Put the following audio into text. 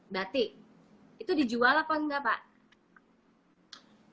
batik itu dijual apa enggak pak